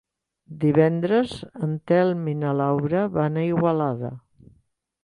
Divendres en Telm i na Laura van a Igualada.